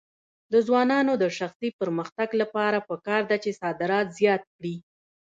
د ځوانانو د شخصي پرمختګ لپاره پکار ده چې صادرات زیات کړي.